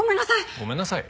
ごめんなさい？